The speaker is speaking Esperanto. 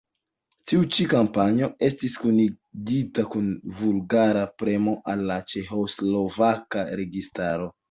Tiu ĉi kampanjo estis kunigita kun vulgara premo al la ĉeĥoslovaka registaro.